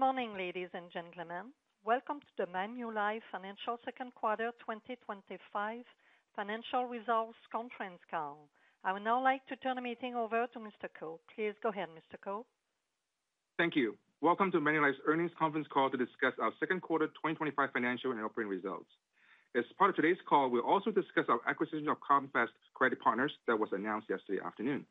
Good morning, ladies and gentlemen. Welcome to the Manulife Financial second quarter 2025 financial results conference call. I would now like to turn the meeting over to Mr. Ko. Please go ahead, Mr. Ko. Thank you. Welcome to Manulife earnings conference call to discuss our Q2 2025 financial and operating results. As part of today's call, we will also discuss our acquisition of Comvest Credit Partners that was announced yesterday afternoon.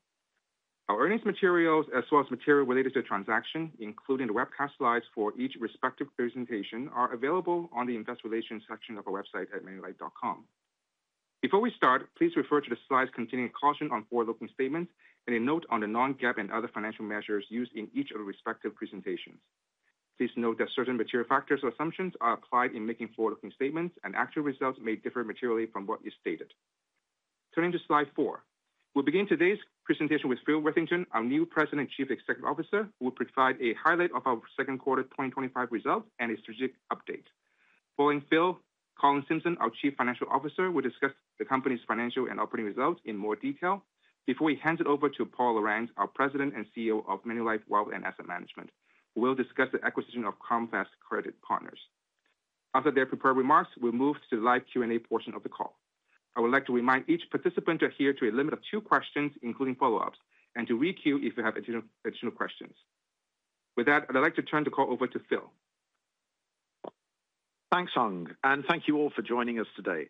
Our earnings materials, as well as material related to the transaction, including the webcast slides for each respective presentation, are available on the Investor Relations section of our website at manulife.com. Before we start, please refer to the slides containing a caution on forward-looking statements and a note on the non-GAAP and other financial measures used in each of the respective presentations. Please note that certain material factors or assumptions are applied in making forward-looking statements, and actual results may differ materially from what is stated. Turning to slide four, we will begin today's presentation with Phil Witherington, our new President and Chief Executive Officer, who will provide a highlight of our second quarter 2025 results and a strategic update. Following Phil, Colin Simpson, our Chief Financial Officer, will discuss the company's financial and operating results in more detail. Before he hands it over to Paul Lorentz, our President and CEO of Manulife Wealth and Asset Management, we will discuss the acquisition of Comvest Credit Partners. After their prepared remarks, we will move to the live Q&A portion of the call. I would like to remind each participant to adhere to a limit of two questions, including follow-ups, and to re-queue if you have additional questions. With that, I would like to turn the call over to Phil. Thanks, Hung, and thank you all for joining us today.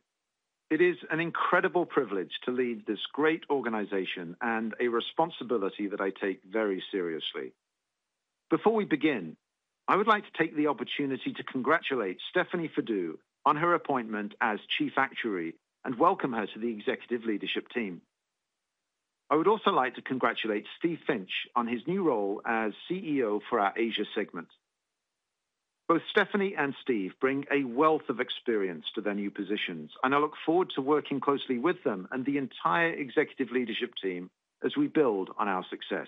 It is an incredible privilege to lead this great organization and a responsibility that I take very seriously. Before we begin, I would like to take the opportunity to congratulate Stephanie Fadous on her appointment as Chief Actuary and welcome her to the Executive Leadership Team. I would also like to congratulate Steve Finch on his new role as CEO for our Asia segment. Both Stephanie and Steve bring a wealth of experience to their new positions, and I look forward to working closely with them and the entire executive leadership Team as we build on our success.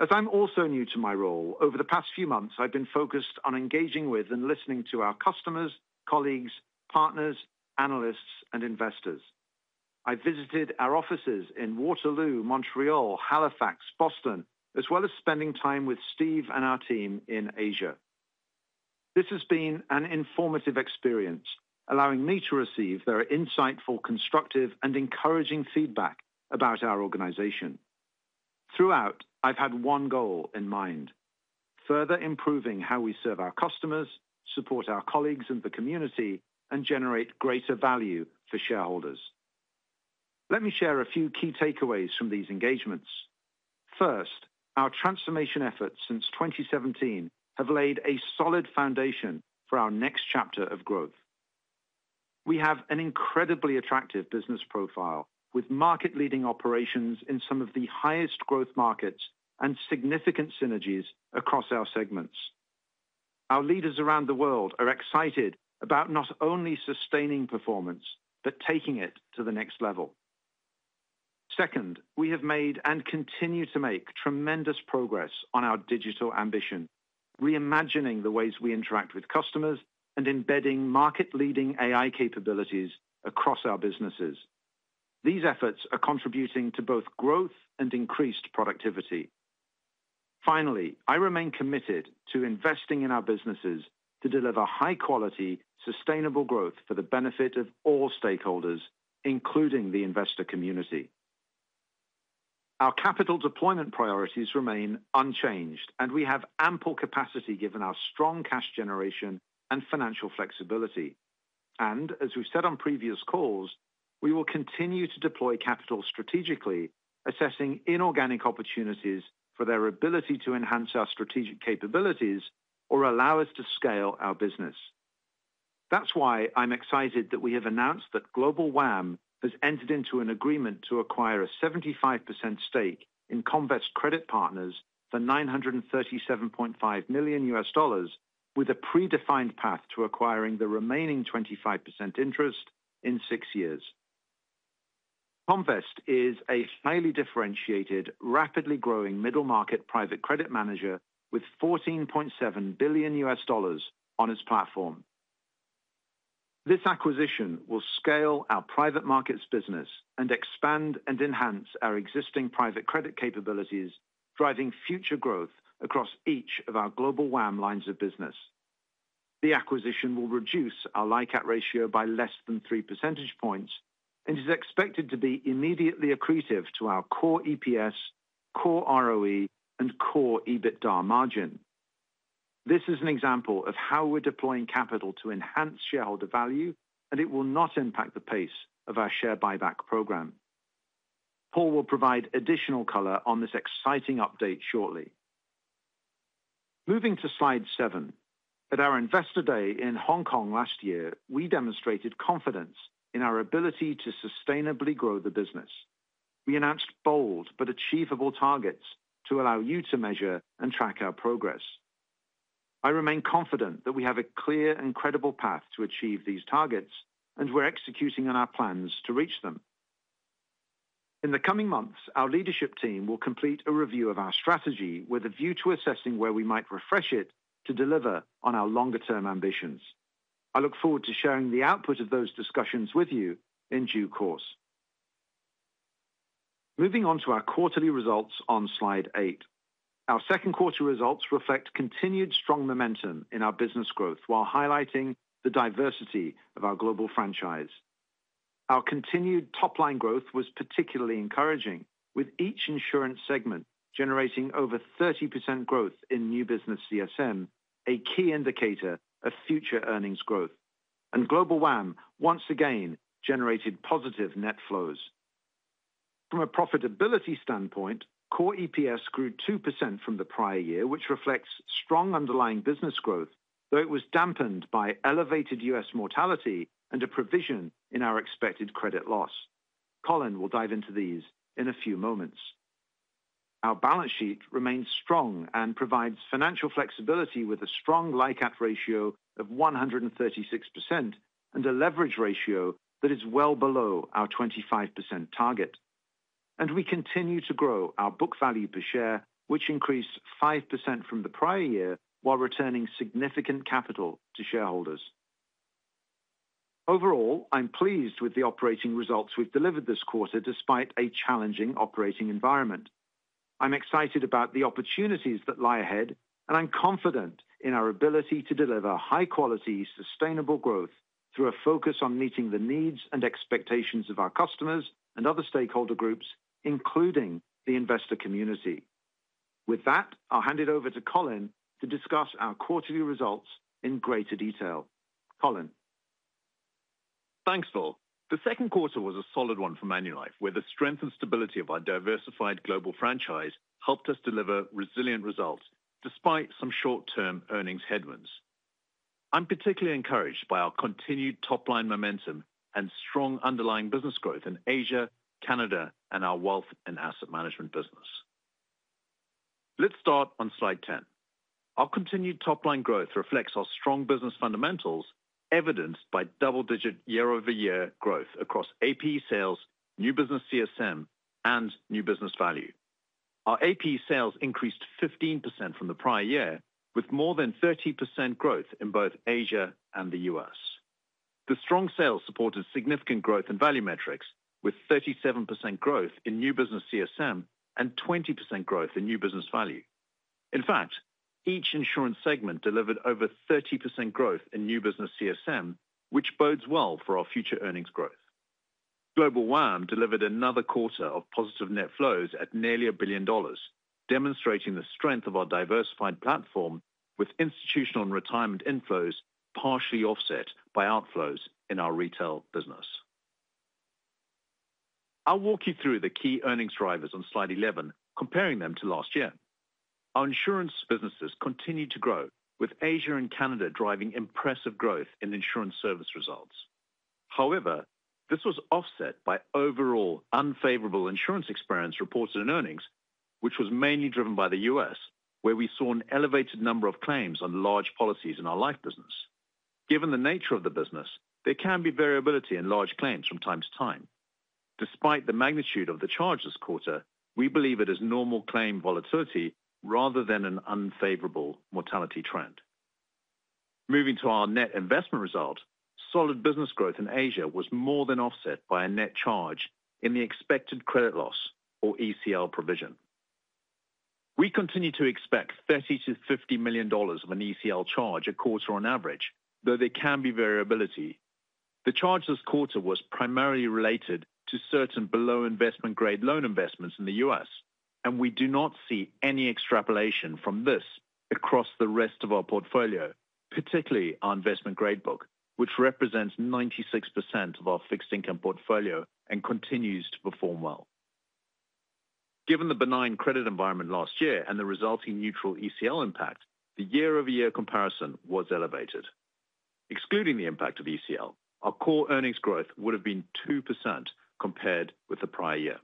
As I'm also new to my role, over the past few months, I've been focused on engaging with and listening to our customers, colleagues, partners, analysts, and investors. I visited our offices in Waterloo, Montreal, Halifax, Boston, as well as spending time with Steve and our team in Asia. This has been an informative experience, allowing me to receive their insightful, constructive, and encouraging feedback about our organization. Throughout, I've had one goal in mind: further improving how we serve our customers, support our colleagues and the community, and generate greater value for shareholders. Let me share a few key takeaways from these engagements. First, our transformation efforts since 2017 have laid a solid foundation for our next chapter of growth. We have an incredibly attractive business profile, with market-leading operations in some of the highest growth markets and significant synergies across our segments. Our leaders around the world are excited about not only sustaining performance but taking it to the next level. Second, we have made and continue to make tremendous progress on our digital ambition, reimagining the ways we interact with customers and embedding market-leading AI capabilities across our businesses. These efforts are contributing to both growth and increased productivity. Finally, I remain committed to investing in our businesses to deliver high-quality, sustainable growth for the benefit of all stakeholders, including the investor community. Our capital deployment priorities remain unchanged, and we have ample capacity given our strong cash generation and financial flexibility. As we've said on previous calls, we will continue to deploy capital strategically, assessing inorganic opportunities for their ability to enhance our strategic capabilities or allow us to scale our business. That's why I'm excited that we have announced that Global WAM has entered into an agreement to acquire a 75% stake in Comvest Credit Partners for $937.5 million, with a predefined path to acquiring the remaining 25% interest in six years. Comvest is a highly differentiated, rapidly growing middle-market private credit manager with $14.7 billion on its platform. This acquisition will scale our private markets business and expand and enhance our existing private credit capabilities, driving future growth across each of our Global WAM lines of business. The acquisition will reduce our LICAT ratio by less than three percentage points and is expected to be immediately accretive to our core EPS, core ROE, and core EBITDA margin. This is an example of how we're deploying capital to enhance shareholder value, and it will not impact the pace of our share buyback program. Paul will provide additional color on this exciting update shortly. Moving to slide seven, at our Investor Day in Hong Kong last year, we demonstrated confidence in our ability to sustainably grow the business. We announced bold but achievable targets to allow you to measure and track our progress. I remain confident that we have a clear and credible path to achieve these targets, and we're executing on our plans to reach them. In the coming months, our leadership team will complete a review of our strategy with a view to assessing where we might refresh it to deliver on our longer-term ambitions. I look forward to sharing the output of those discussions with you in due course. Moving on to our quarterly results on slide eight. Our second quarter results reflect continued strong momentum in our business growth while highlighting the diversity of our global franchise. Our continued top-line growth was particularly encouraging, with each insurance segment generating over 30% growth in new business CSM, a key indicator of future earnings growth. Global WAM once again generated positive net flows. From a profitability standpoint, core EPS grew 2% from the prior year, which reflects strong underlying business growth, though it was dampened by elevated U.S. mortality and a provision in our expected credit loss. Colin will dive into these in a few moments. Our balance sheet remains strong and provides financial flexibility with a strong LICAT ratio of 136% and a leverage ratio that is well below our 25% target. We continue to grow our book value per share, which increased 5% from the prior year while returning significant capital to shareholders. Overall, I'm pleased with the operating results we've delivered this quarter despite a challenging operating environment. I'm excited about the opportunities that lie ahead, and I'm confident in our ability to deliver high-quality, sustainable growth through a focus on meeting the needs and expectations of our customers and other stakeholder groups, including the investor community. With that, I'll hand it over to Colin to discuss our quarterly results in greater detail. Colin. Thanks, Phil. The second quarter was a solid one for Manulife where the strength and stability of our diversified global franchise helped us deliver resilient results despite some short-term earnings headwinds. I'm particularly encouraged by our continued top-line momentum and strong underlying business growth in Asia, Canada, and our wealth and asset management business. Let's start on slide 10. Our continued top-line growth reflects our strong business fundamentals, evidenced by double-digit year-over-year growth across APE sales, new business CSM, and new business value. Our APE sales increased 15% from the prior year, with more than 30% growth in both Asia and the U.S. The strong sales supported significant growth in value metrics, with 37% growth in new business CSM and 20% growth in new business value. In fact, each insurance segment delivered over 30% growth in new business CSM, which bodes well for our future earnings growth. Global WAM delivered another quarter of positive net flows at nearly $1 billion, demonstrating the strength of our diversified platform, with institutional and retirement inflows partially offset by outflows in our retail business. I'll walk you through the key earnings drivers on slide 11, comparing them to last year. Our insurance businesses continue to grow, with Asia and Canada driving impressive growth in insurance service results. However, this was offset by overall unfavorable insurance experience reported in earnings, which was mainly driven by the U.S., where we saw an elevated number of claims on large policies in our life business. Given the nature of the business, there can be variability in large claims from time to time. Despite the magnitude of the charge this quarter, we believe it is normal claim volatility rather than an unfavorable mortality trend. Moving to our net investment result, solid business growth in Asia was more than offset by a net charge in the expected credit loss or ECL provision. We continue to expect $30 million-$50 million of an ECL charge a quarter on average, though there can be variability. The charge this quarter was primarily related to certain below-investment grade loan investments in the U.S., and we do not see any extrapolation from this across the rest of our portfolio, particularly our investment grade book, which represents 96% of our fixed income portfolio and continues to perform well. Given the benign credit environment last year and the resulting neutral ECL impact, the year-over-year comparison was elevated. Excluding the impact of ECL, our core earnings growth would have been 2% compared with the prior year.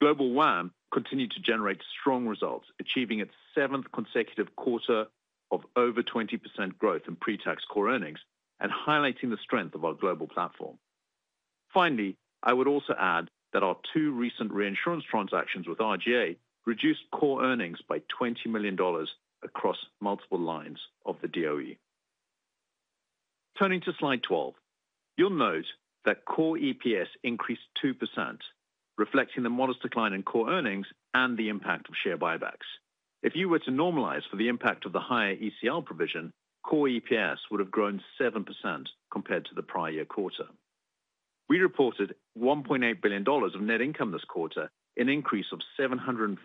Global WAM continued to generate strong results, achieving its seventh consecutive quarter of over 20% growth in pre-tax core earnings and highlighting the strength of our global platform. Finally, I would also add that our two recent reinsurance transactions with RGA reduced core earnings by $20 million across multiple lines of the DOE. Turning to slide 12, you'll note that core EPS increased 2%, reflecting the modest decline in core earnings and the impact of share buybacks. If you were to normalize for the impact of the higher ECL provision, core EPS would have grown 7% compared to the prior year quarter. We reported $1.8 billion of net income this quarter, an increase of $747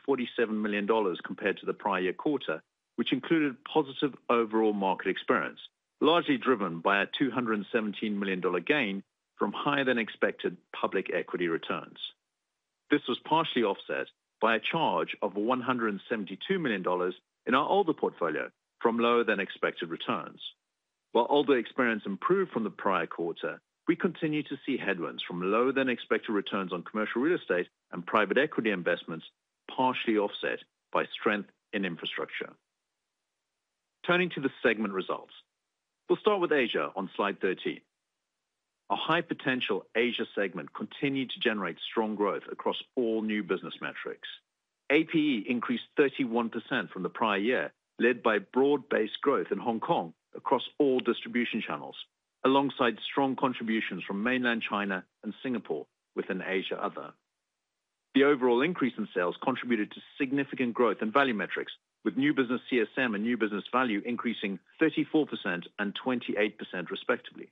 million compared to the prior year quarter, which included positive overall market experience, largely driven by our $217 million gain from higher than expected public equity returns. This was partially offset by a charge of $172 million in our older portfolio from lower than expected returns. While older experience improved from the prior quarter, we continue to see headwinds from lower than expected returns on commercial real estate and private equity investments, partially offset by strength in infrastructure. Turning to the segment results, we'll start with Asia on slide 13. Our high-potential Asia segment continued to generate strong growth across all new business metrics. APE increased 31% from the prior year, led by broad-based growth in Hong Kong across all distribution channels, alongside strong contributions from mainland China and Singapore within Asia Other. The overall increase in sales contributed to significant growth in value metrics, with new business CSM and new business value increasing 34% and 28% respectively.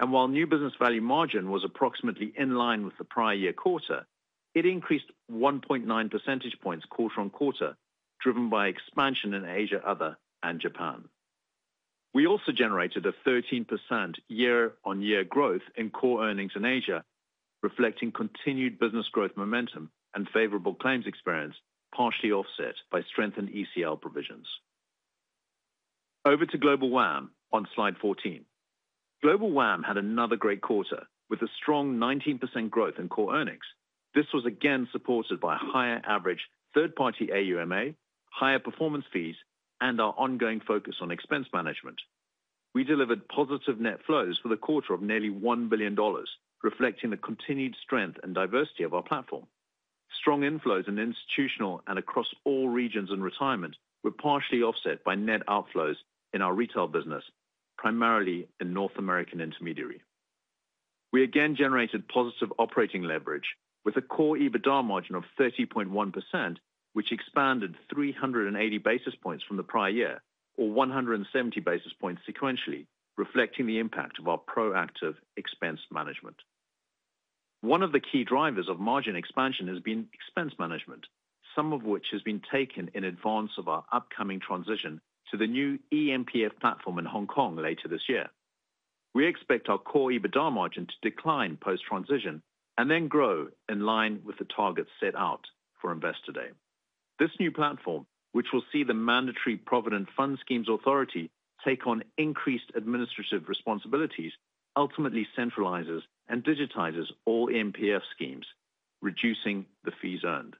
While new business value margin was approximately in line with the prior year quarter, it increased 1.9 percentage points quarter-on-quarter, driven by expansion in Asia Other and Japan. We also generated a 13% year-on-year growth in core earnings in Asia, reflecting continued business growth momentum and favorable claims experience, partially offset by strengthened ECL provisions. Over to Global WAM on slide 14. Global WAM had another great quarter with a strong 19% growth in core earnings. This was again supported by higher average third-party AUM, higher performance fees, and our ongoing focus on expense management. We delivered positive net flows for the quarter of nearly $1 billion, reflecting the continued strength and diversity of our platform. Strong inflows in institutional and across all regions and retirement were partially offset by net outflows in our retail business, primarily in North American intermediary. We again generated positive operating leverage with a core EBITDA margin of 30.1%, which expanded 380 basis points from the prior year, or 170 basis points sequentially, reflecting the impact of our proactive expense management. One of the key drivers of margin expansion has been expense management, some of which has been taken in advance of our upcoming transition to the new eMPF platform in Hong Kong later this year. We expect our core EBITDA margin to decline post-transition and then grow in line with the targets set out for Investor Day. This new platform, which will see the Mandatory Provident Fund Schemes Authority take on increased administrative responsibilities, ultimately centralizes and digitizes all eMPF schemes, reducing the fees earned.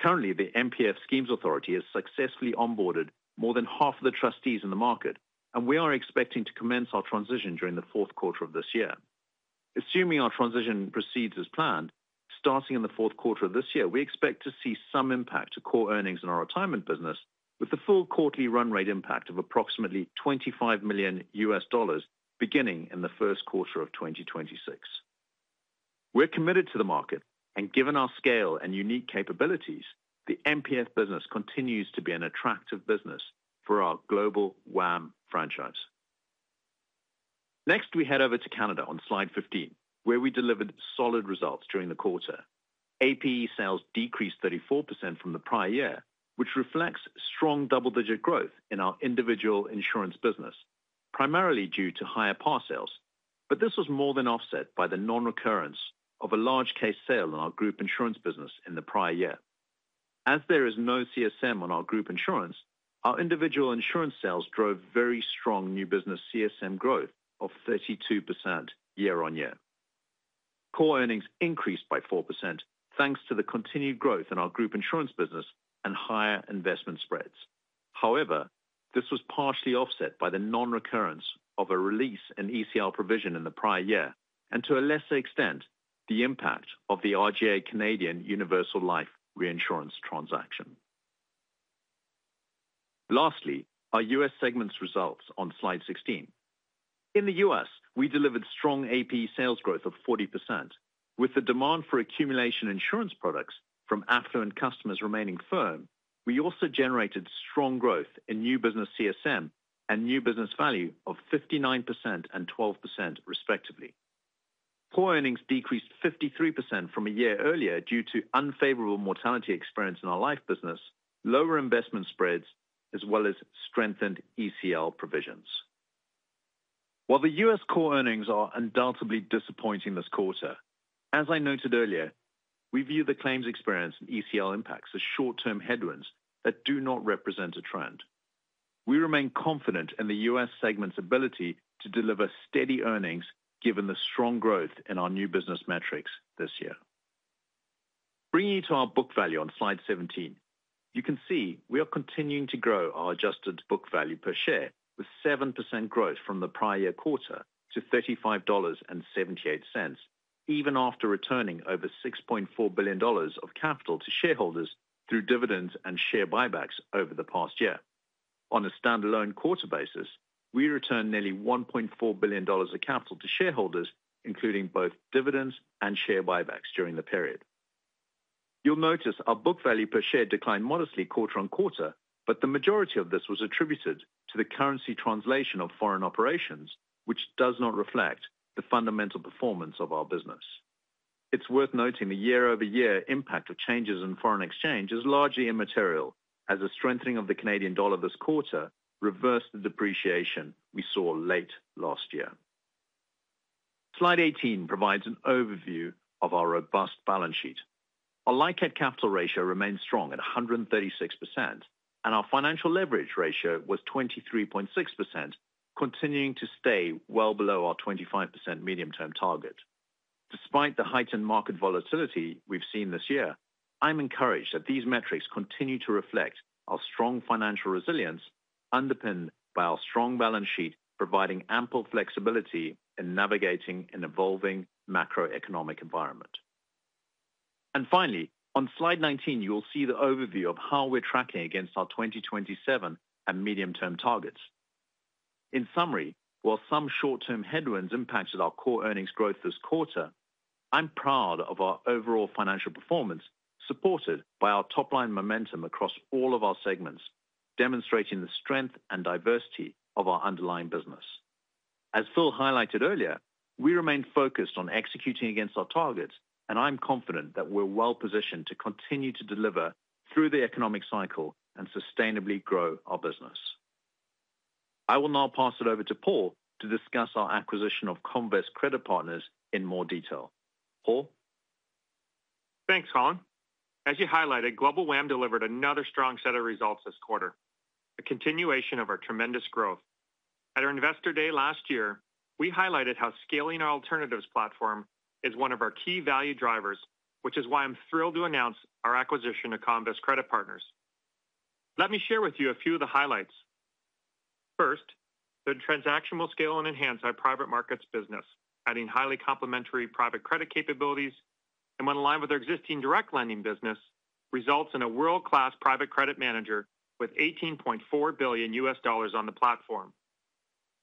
Currently, the eMPF Schemes Authority has successfully onboarded more than half of the trustees in the market, and we are expecting to commence our transition during the fourth quarter of this year. Assuming our transition proceeds as planned, starting in the fourth quarter of this year, we expect to see some impact to core earnings in our retirement business, with the full quarterly run rate impact of approximately $25 million beginning in the first quarter of 2026. We're committed to the market, and given our scale and unique capabilities, the eMPF business continues to be an attractive business for our Global WAM franchise. Next, we head over to Canada on slide 15, where we delivered solid results during the quarter. APE sales decreased 34% from the prior year, which reflects strong double-digit growth in our individual insurance business, primarily due to higher par sales, but this was more than offset by the non-recurrence of a large case sale in our group insurance business in the prior year. As there is no CSM on our group insurance, our individual insurance sales drove very strong new business CSM growth of 32% year-on-year. Core earnings increased by 4% thanks to the continued growth in our group insurance business and higher investment spreads. However, this was partially offset by the non-recurrence of a release in ECL provision in the prior year, and to a lesser extent, the impact of the RGA Canadian Universal Life reinsurance transaction. Lastly, our U.S. segment's results on slide 16. In the U.S., we delivered strong APE sales growth of 40%. With the demand for accumulation insurance products from affluent customers remaining firm, we also generated strong growth in new business CSM and new business value of 59% and 12% respectively. Core earnings decreased 53% from a year earlier due to unfavorable mortality experience in our life business, lower investment spreads, as well as strengthened ECL provisions. While the U.S. core earnings are undoubtedly disappointing this quarter, as I noted earlier, we view the claims experience and ECL impacts as short-term headwinds that do not represent a trend. We remain confident in the U.S. segment's ability to deliver steady earnings given the strong growth in our new business metrics this year. Bringing you to our book value on slide 17, you can see we are continuing to grow our adjusted book value per share, with 7% growth from the prior year quarter to $35.78, even after returning over $6.4 billion of capital to shareholders through dividends and share buybacks over the past year. On a standalone quarter basis, we returned nearly $1.4 billion of capital to shareholders, including both dividends and share buybacks during the period. You'll notice our book value per share declined modestly quarter on quarter, but the majority of this was attributed to the currency translation of foreign operations, which does not reflect the fundamental performance of our business. It's worth noting the year-over-year impact of changes in foreign exchange is largely immaterial, as the strengthening of the Canadian dollar this quarter reversed the depreciation we saw late last year. Slide 18 provides an overview of our robust balance sheet. Our LICAT capital ratio remains strong at 136%, and our financial leverage ratio was 23.6%, continuing to stay well below our 25% medium-term target. Despite the heightened market volatility we've seen this year, I'm encouraged that these metrics continue to reflect our strong financial resilience, underpinned by our strong balance sheet providing ample flexibility in navigating an evolving macroeconomic environment. Finally, on slide 19, you'll see the overview of how we're tracking against our 2027 and medium-term targets. In summary, while some short-term headwinds impacted our core earnings growth this quarter, I'm proud of our overall financial performance supported by our top-line momentum across all of our segments, demonstrating the strength and diversity of our underlying business. As Phil highlighted earlier, we remain focused on executing against our targets, and I'm confident that we're well-positioned to continue to deliver through the economic cycle and sustainably grow our business. I will now pass it over to Paul to discuss our acquisition of Comvest Credit Partners in more detail. Paul? Thanks, Hung. As you highlighted, Global WAM delivered another strong set of results this quarter, a continuation of our tremendous growth. At our Investor Day last year, we highlighted how scaling our alternatives platform is one of our key value drivers, which is why I'm thrilled to announce our acquisition of Comvest Credit Partners. Let me share with you a few of the highlights. First, this transaction will scale and enhance our private markets business, adding highly complementary private credit capabilities and, when aligned with our existing direct lending business, results in a world-class private credit manager with $18.4 billion U.S. dollars on the platform.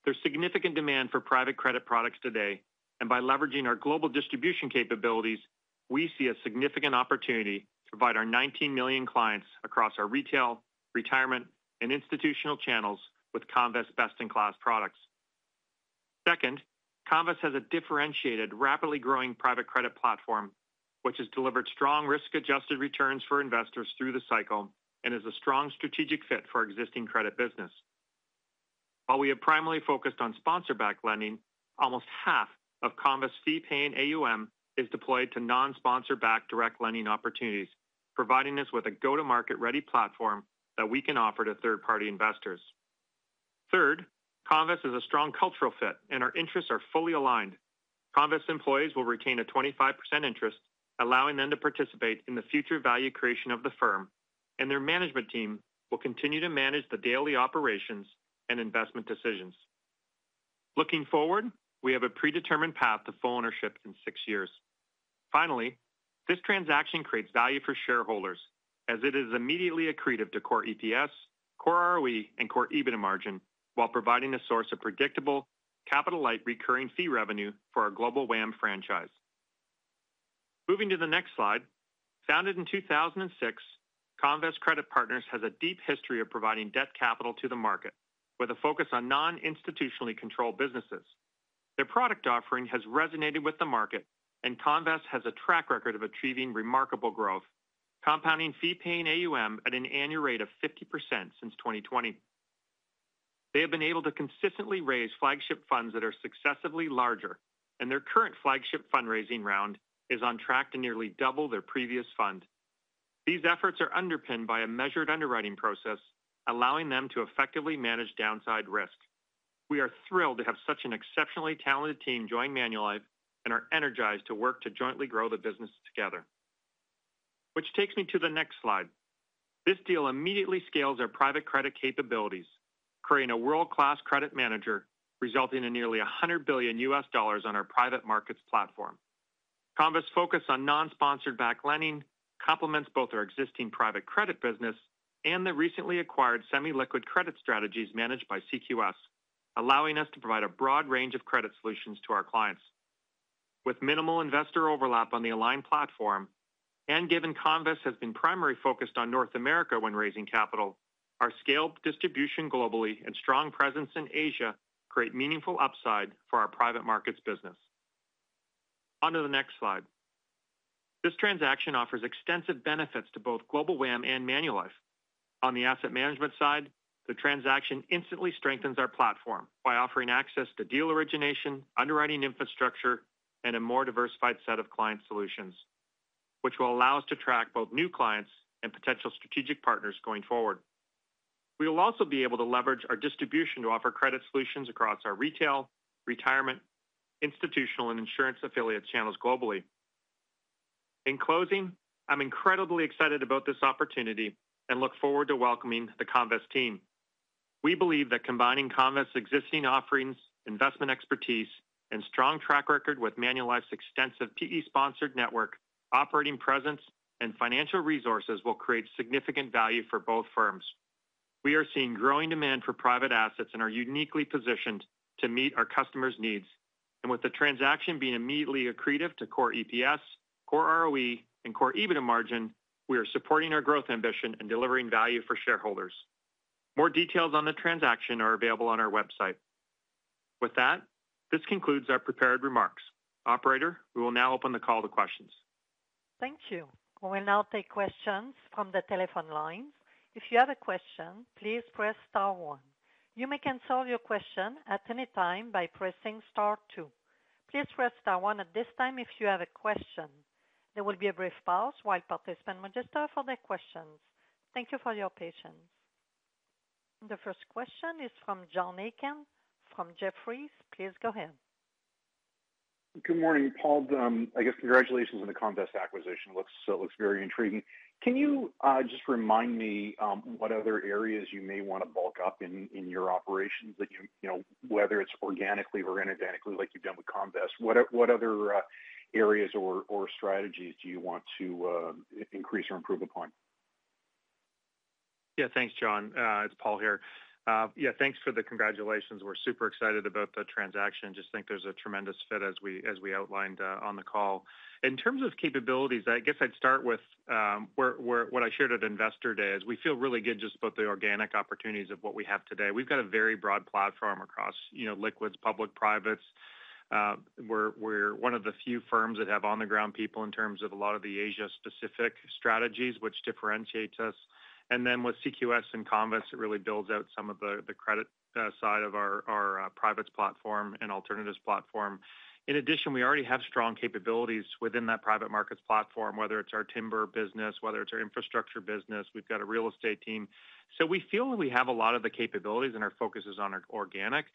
There's significant demand for private credit products today, and by leveraging our global distribution capabilities, we see a significant opportunity to provide our 19 million clients across our retail, retirement, and institutional channels with Comvest's best-in-class products. Second, Comvest has a differentiated, rapidly growing private credit platform, which has delivered strong risk-adjusted returns for investors through the cycle and is a strong strategic fit for our existing credit business. While we have primarily focused on sponsor-backed lending, almost half of Comvest's fee-paying AUM is deployed to non-sponsor-backed direct lending opportunities, providing us with a go-to-market ready platform that we can offer to third-party investors. Third, Comvest has a strong cultural fit, and our interests are fully aligned. Comvest's employees will retain a 25% interest, allowing them to participate in the future value creation of the firm, and their management team will continue to manage the daily operations and investment decisions. Looking forward, we have a predetermined path to full ownership in six years. Finally, this transaction creates value for shareholders, as it is immediately accretive to core EPS, core ROE, and core EBITDA margin, while providing a source of predictable, capital-light recurring fee revenue for our Global WAM franchise. Moving to the next slide, founded in 2006, Comvest Credit Partners has a deep history of providing debt capital to the market, with a focus on non-institutionally controlled businesses. Their product offering has resonated with the market, and Comvest has a track record of achieving remarkable growth, compounding fee-paying AUM at an annual rate of 50% since 2020. They have been able to consistently raise flagship funds that are successively larger, and their current flagship fundraising round is on track to nearly double their previous fund. These efforts are underpinned by a measured underwriting process, allowing them to effectively manage downside risk. We are thrilled to have such an exceptionally talented team join Manulife and are energized to work to jointly grow the business together. This takes me to the next slide. This deal immediately scales our private credit capabilities, creating a world-class credit manager, resulting in nearly $100 billion on our private markets platform. Comvest's focus on non-sponsored-backed lending complements both our existing private credit business and the recently acquired semi-liquid credit strategies managed by CQS, allowing us to provide a broad range of credit solutions to our clients. With minimal investor overlap on the aligned platform, and given Comvest has been primarily focused on North America when raising capital, our scaled distribution globally and strong presence in Asia create meaningful upside for our private markets business. Onto the next slide. This transaction offers extensive benefits to both Global WAM and Manulife. On the asset management side, the transaction instantly strengthens our platform by offering access to deal origination, underwriting infrastructure, and a more diversified set of client solutions, which will allow us to attract both new clients and potential strategic partners going forward. We will also be able to leverage our distribution to offer credit solutions across our retail, retirement, institutional, and insurance affiliate channels globally. In closing, I'm incredibly excited about this opportunity and look forward to welcoming the Comvest team. We believe that combining Comvest's existing offerings, investment expertise, and strong track record with Manulife's extensive PE-sponsored network, operating presence, and financial resources will create significant value for both firms. We are seeing growing demand for private assets and are uniquely positioned to meet our customers' needs. With the transaction being immediately accretive to core EPS, core ROE, and core EBITDA margin, we are supporting our growth ambition and delivering value for shareholders. More details on the transaction are available on our website. With that, this concludes our prepared remarks. Operator, we will now open the call to questions. Thank you. We will now take questions from the telephone lines. If you have a question, please press star one. You may cancel your question at any time by pressing star, two. Please press star one at this time if you have a question. There will be a brief pause while participants register for their questions. Thank you for your patience. The first question is from John Aiken from Jefferies. Please go ahead. Good morning, Paul. I guess congratulations on the Comvest acquisition. It looks very intriguing. Can you just remind me what other areas you may want to bulk up in your operations, whether it's organically or an identically like you've done with Comvest? What other areas or strategies do you want to increase or improve upon? Yeah, thanks, John. It's Paul here. Yeah, thanks for the congratulations. We're super excited about the transaction. Just think there's a tremendous fit, as we outlined on the call. In terms of capabilities, I guess I'd start with what I shared at Investor Day is we feel really good just about the organic opportunities of what we have today. We've got a very broad platform across, you know, liquids, public, privates. We're one of the few firms that have on-the-ground people in terms of a lot of the Asia-specific strategies, which differentiates us. With CQS and Comvest, it really builds out some of the credit side of our private platform and alternatives platform. In addition, we already have strong capabilities within that private markets platform, whether it's our timber business, whether it's our infrastructure business. We've got a real estate team. We feel that we have a lot of the capabilities and our focus is on organic,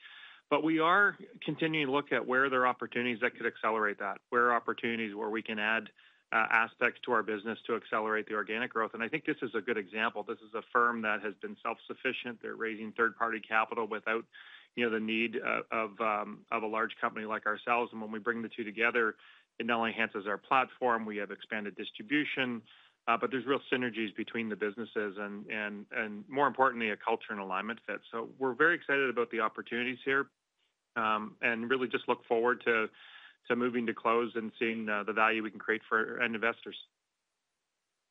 but we are continuing to look at where there are opportunities that could accelerate that, where are opportunities where we can add aspects to our business to accelerate the organic growth. I think this is a good example. This is a firm that has been self-sufficient. They're raising third-party capital without the need of a large company like ourselves. When we bring the two together, it not only enhances our platform, we have expanded distribution, but there's real synergies between the businesses and, more importantly, a culture and alignment fit. We're very excited about the opportunities here and really just look forward to moving to close and seeing the value we can create for investors.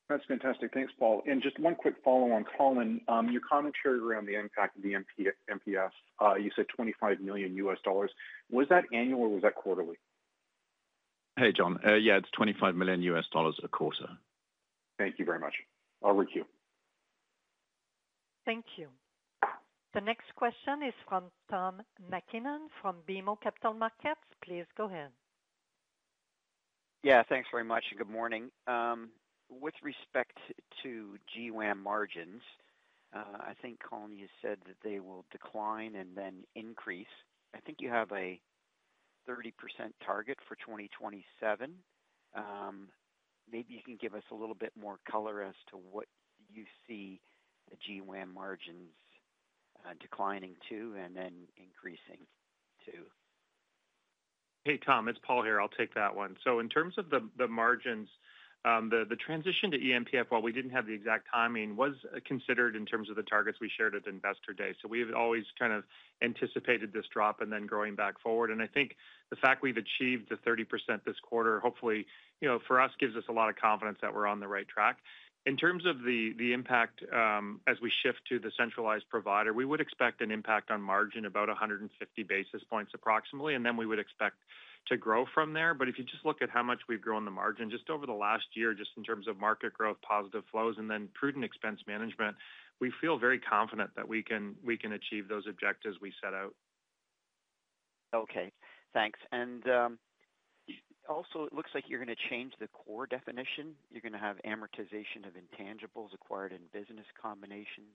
That's fantastic. Thanks, Paul. Just one quick follow-on, Colin. Your commentary around the impact of the eMPF, you said $25 million. Was that annual or was that quarterly? Hey, John. Yeah, it's $25 million a quarter. Thank you very much. I'll re-queue. Thank you. The next question is from Tom McKinnon from BMO Capital Markets. Please go ahead. Yeah, thanks very much. Good morning. With respect to G WAM margins, I think Colin has said that they will decline and then increase. I think you have a 30% target for 2027. Maybe you can give us a little bit more color as to what you see the G WAM margins declining to and then increasing to. Hey, Tom. It's Paul here. I'll take that one. In terms of the margins, the transition to eMPF, while we didn't have the exact timing, was considered in terms of the targets we shared at Investor Day. We've always kind of anticipated this drop and then growing back forward. I think the fact we've achieved the 30% this quarter, hopefully, you know, for us gives us a lot of confidence that we're on the right track. In terms of the impact, as we shift to the centralized provider, we would expect an impact on margin of about 150 basis points approximately, and then we would expect to grow from there. If you just look at how much we've grown the margin just over the last year, just in terms of market growth, positive flows, and then prudent expense management, we feel very confident that we can achieve those objectives we set out. Okay, thanks. It looks like you're going to change the core definition. You're going to have amortization of intangibles acquired in business combinations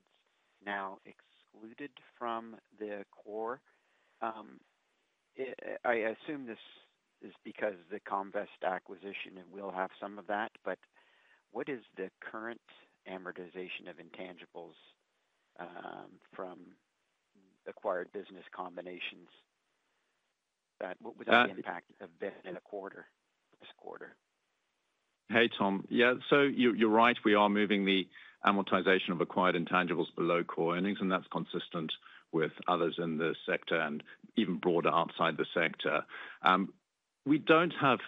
now excluded from the core. I assume this is because the Comvest acquisition will have some of that, but what is the current amortization of intangibles from acquired business combinations? What was the impact of that in a quarter this quarter? Hey, Tom. Yeah, you're right. We are moving the amortization of acquired intangibles below core earnings, and that's consistent with others in the sector and even broader outside the sector. We don't have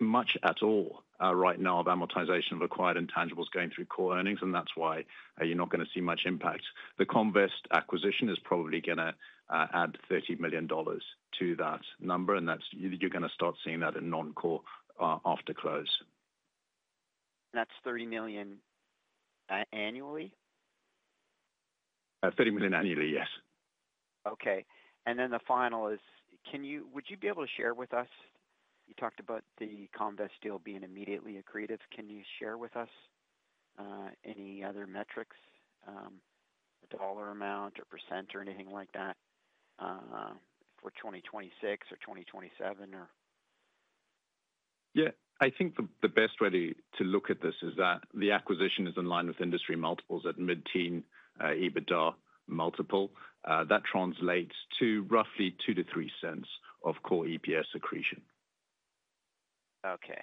much at all right now of amortization of acquired intangibles going through core earnings, and that's why you're not going to see much impact. The Comvest acquisition is probably going to add $30 million to that number, and you're going to start seeing that in non-core after close. That's $30 million annually? $30 million annually, yes. Okay. The final is, can you, would you be able to share with us, you talked about the Comvest deal being immediately accretive. Can you share with us any other metrics, a dollar amount or percent or anything like that for 2026 or 2027? I think the best way to look at this is that the acquisition is in line with industry multiples at mid-teen EBITDA multiple. That translates to roughly $0.02-$0.03 of core EPS accretion. Okay,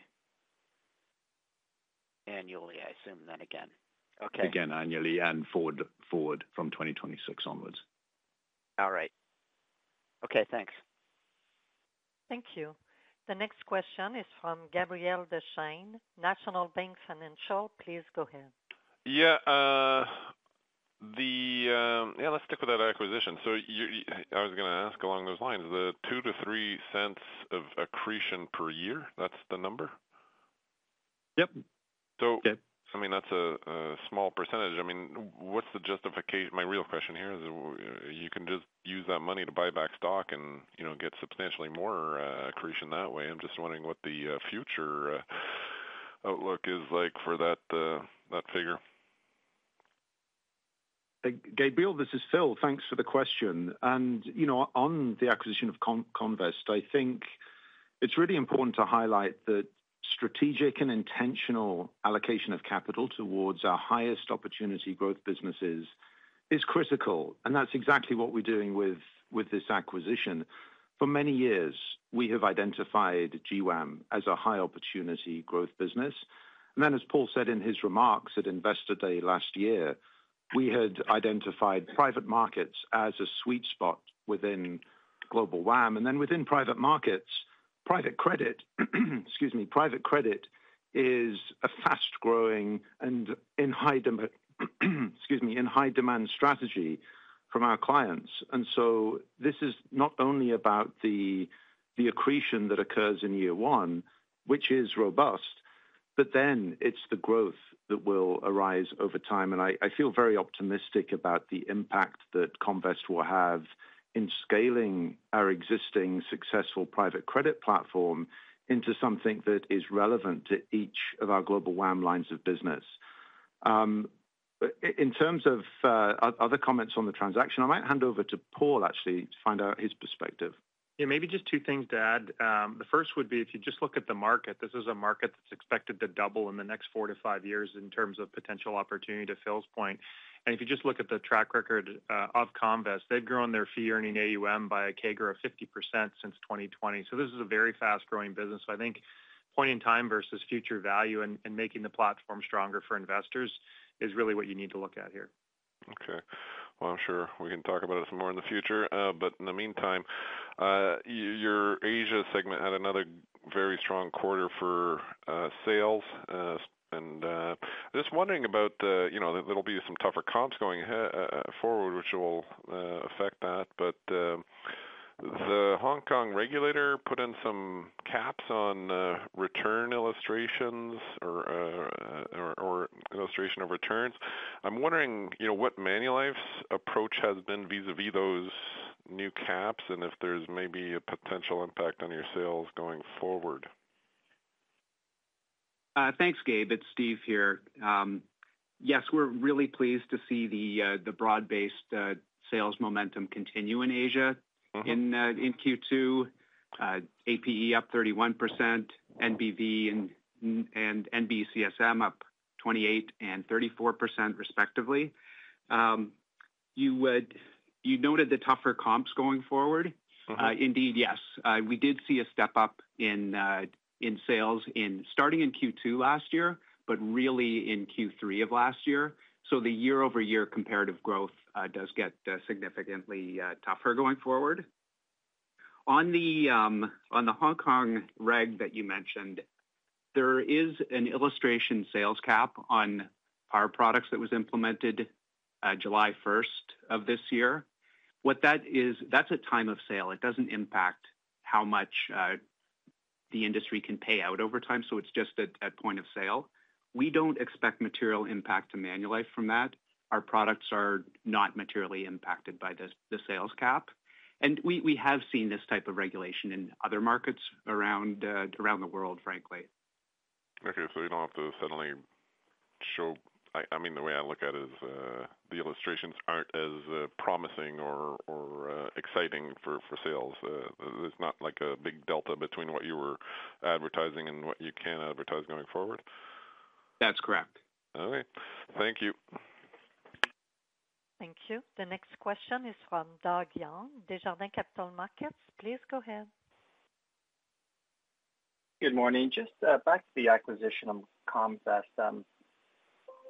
annually, I assume then again. Again, annually and forward from 2026 onwards. All right. Okay, thanks. Thank you. The next question is from Gabriel Dechaine, National Bank Financial. Please go ahead. Yeah, let's stick with that acquisition. I was going to ask along those lines, the $0.02-$0.03 of accretion per year, that's the number? Yep. That's a small %. What's the justification? My real question here is you can just use that money to buy back stock and, you know, get substantially more accretion that way. I'm just wondering what the future outlook is like for that figure. Gabriel, this is Phil. Thanks for the question. On the acquisition of Comvest, I think it's really important to highlight that strategic and intentional allocation of capital towards our highest opportunity growth businesses is critical. That's exactly what we're doing with this acquisition. For many years, we have identified Global WAM as a high opportunity growth business. As Paul said in his remarks at Investor Day last year, we had identified private markets as a sweet spot within Global WAM. Within private markets, private credit is a fast-growing and in high demand strategy from our clients. This is not only about the accretion that occurs in year one, which is robust, but it's the growth that will arise over time. I feel very optimistic about the impact that Comvest will have in scaling our existing successful private credit platform into something that is relevant to each of our Global WAM lines of business. In terms of other comments on the transaction, I might hand over to Paul to find out his perspective. Yeah, maybe just two things to add. The first would be if you just look at the market, this is a market that's expected to double in the next four to five years in terms of potential opportunity to Phil's point. If you just look at the track record of Comvest, they've grown their fee-earning AUM by a CAGR of 50% since 2020. This is a very fast-growing business. I think point in time versus future value and making the platform stronger for investors is really what you need to look at here. I'm sure we can talk about it some more in the future. In the meantime, your Asia segment had another very strong quarter for sales. I'm just wondering about, you know, there'll be some tougher comps going forward, which will affect that. The Hong Kong regulator put in some caps on return illustrations or illustration of returns. I'm wondering, you know, what Manulife's approach has been vis-à-vis those new caps and if there's maybe a potential impact on your sales going forward. Thanks, Gabe. It's Steve here. Yes, we're really pleased to see the broad-based sales momentum continue in Asia. In Q2, APE up 31%, NBV and NBCSM up 28% and 34% respectively. You noted the tougher comps going forward. Indeed, yes. We did see a step up in sales starting in Q2 last year, but really in Q3 of last year. The year-over-year comparative growth does get significantly tougher going forward. On the Hong Kong reg that you mentioned, there is an illustration sales cap on our products that was implemented July 1st of this year. What that is, that's a time of sale. It doesn't impact how much the industry can pay out over time. It's just at point of sale. We don't expect material impact to Manulife from that. Our products are not materially impacted by the sales cap. We have seen this type of regulation in other markets around the world, frankly. Okay, you don't have to suddenly show, I mean, the way I look at it is the illustrations aren't as promising or exciting for sales. There's not a big delta between what you were advertising and what you can advertise going forward. That's correct. All right. Thank you. Thank you. The next question is from Doug Young, Desjardins Capital Markets. Please go ahead. Good morning. Just back to the acquisition of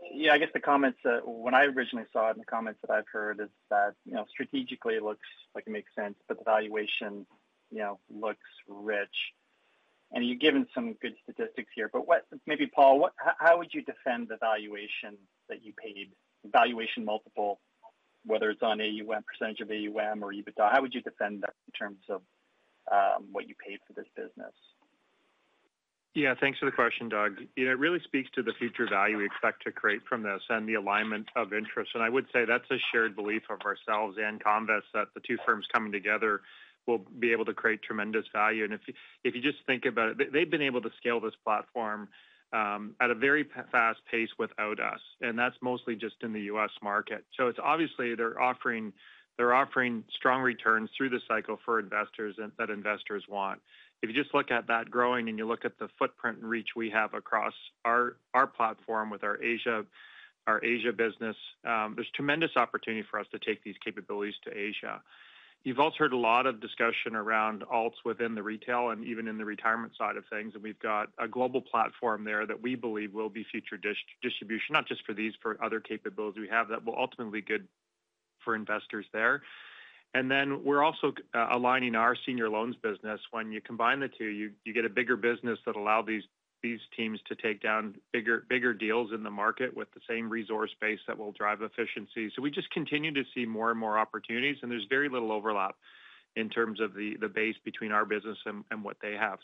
Comvest. I guess the comments that when I originally saw it and the comments that I've heard is that, you know, strategically it looks like it makes sense, but the valuation, you know, looks rich. You've given some good statistics here, but what maybe, Paul, how would you defend the valuation that you paid, valuation multiple, whether it's on AUM, percentage of AUM, or EBITDA? How would you defend that in terms of what you paid for this business? Yeah, thanks for the question, Doug. It really speaks to the future value we expect to create from this and the alignment of interests. I would say that's a shared belief of ourselves and Comvest that the two firms coming together will be able to create tremendous value. If you just think about it, they've been able to scale this platform at a very fast pace without us, and that's mostly just in the U.S. market. It's obviously they're offering strong returns through the cycle for investors that investors want. If you just look at that growing and you look at the footprint and reach we have across our platform with our Asia business, there's tremendous opportunity for us to take these capabilities to Asia. You've also heard a lot of discussion around alts within the retail and even in the retirement side of things. We've got a global platform there that we believe will be future distribution, not just for these, for other capabilities we have that will ultimately be good for investors there. We're also aligning our senior loans business. When you combine the two, you get a bigger business that allows these teams to take down bigger deals in the market with the same resource base that will drive efficiency. We just continue to see more and more opportunities. There's very little overlap in terms of the base between our business and what they have.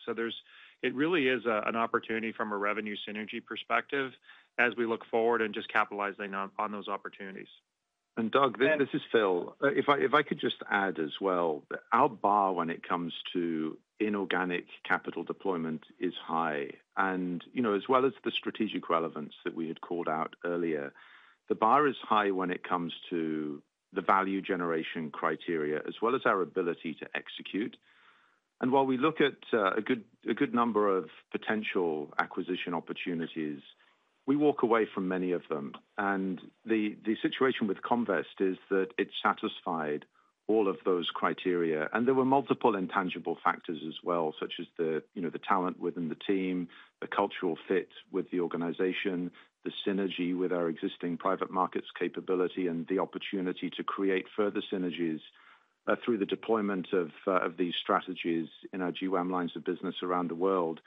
It really is an opportunity from a revenue synergy perspective as we look forward and just capitalizing on those opportunities. Doug, this is Phil. If I could just add as well, our bar when it comes to inorganic capital deployment is high. As well as the strategic relevance that we had called out earlier, the bar is high when it comes to the value generation criteria, as well as our ability to execute. While we look at a good number of potential acquisition opportunities, we walk away from many of them. The situation with Comvest is that it satisfied all of those criteria. There were multiple intangible factors as well, such as the talent within the team, the cultural fit with the organization, the synergy with our existing private markets capability, and the opportunity to create further synergies through the deployment of these strategies in our G WAM lines of business around the world.